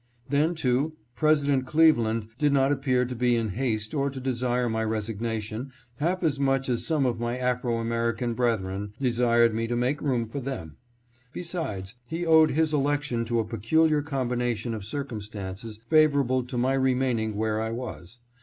Then, too, President Cleve CIRCUMSTANCES OF CLEVELAND'S ELECTION. 645 land did not appear to be in haste or to desire my resignation half as much as some of my Afro American brethren desired me to make room for them. Besides, he owed his election to a peculiar combination of cir cumstances favorable to my remaining where I was.